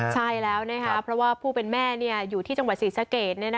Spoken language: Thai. ใช่แล้วเพราะว่าผู้เป็นแม่อยู่ที่จังหวัดศรีสะเกด